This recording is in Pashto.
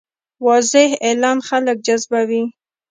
واضح اعلان خلک جذبوي.